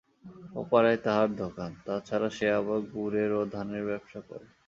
ও-পাড়ায় তাহার দোকান, তা ছাড়া সে আবার গুড়ের ও ধানের ব্যবসাও করে।